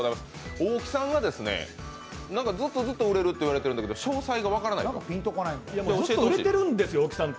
大木さんが、ずっとずっと売れるって言われてるんだけど詳細が分からないので教えてほしいって。